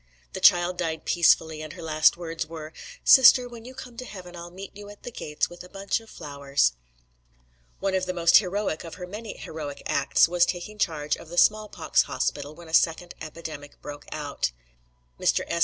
The child died peacefully, and her last words were: "Sister, when you come to heaven, I'll meet you at the gates with a bunch of flowers." One of the most heroic of her many heroic acts was taking charge of the small pox hospital when a second epidemic broke out. Mr. S.